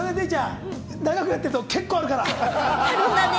長くやってると結構あるから。